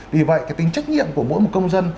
vì vậy cái tính trách nhiệm của mỗi một công dân